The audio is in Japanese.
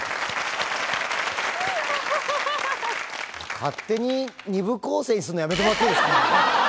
勝手に２部構成にするのやめてもらっていいですか。